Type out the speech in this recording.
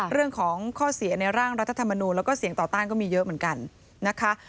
เรื่องของข้อเสียในร่างรัฐธรรมนูลแล้วก็เสียงต่อต้านก็มีเยอะเหมือนกันนะคะ